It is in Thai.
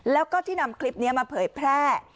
แล้วก็ที่นำคลิปนี้มาเผยแพร่